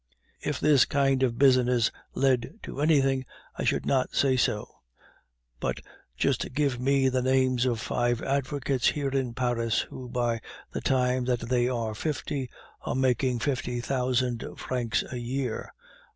If this kind of business led to anything, I should not say no; but just give me the names of five advocates here in Paris who by the time that they are fifty are making fifty thousand francs a year!